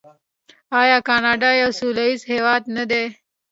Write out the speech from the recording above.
آیا کاناډا یو سوله ییز هیواد نه دی؟